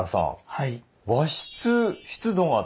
はい。